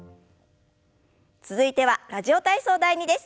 続いては「ラジオ体操第２」です。